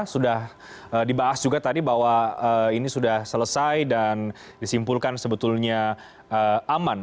sudah dibahas juga tadi bahwa ini sudah selesai dan disimpulkan sebetulnya aman